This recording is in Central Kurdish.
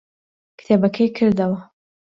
کتێبەکەی کردەوە.